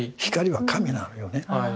はい。